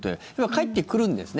返ってくるんですね。